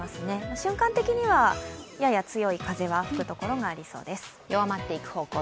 瞬間的にはやや強い風は吹く所がありそうです。